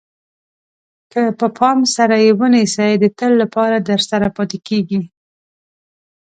که په پام سره یې ونیسئ د تل لپاره درسره پاتې کېږي.